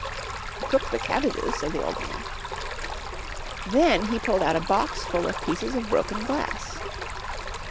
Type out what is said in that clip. "You cooked the cabbages," said the old man. Then he pulled out a box full of pieces of broken glass.